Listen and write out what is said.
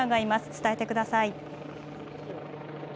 伝えてください。